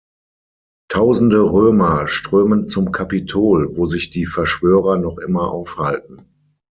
Tausende Römer strömen zum Kapitol, wo sich die Verschwörer noch immer aufhalten.